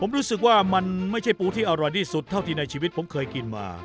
ผมรู้สึกว่ามันไม่ใช่ปูที่อร่อยที่สุดเท่าที่ในชีวิตผมเคยกินมา